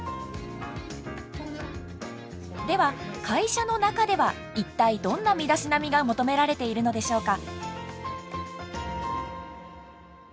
では会社の中では一体どんな身だしなみが求められているのでしょうか？